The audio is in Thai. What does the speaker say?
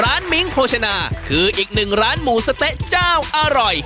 มิ้งโภชนาคืออีกหนึ่งร้านหมูสะเต๊ะเจ้าอร่อย